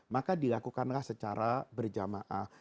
maka dilakukanlah secara berjamaah